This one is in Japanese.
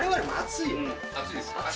熱いです。